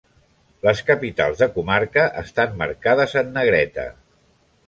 Les capitals de comarca estan marcades en negreta.